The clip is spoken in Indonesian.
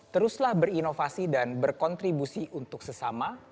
teruslah berinovasi dan berkontribusi untuk sesama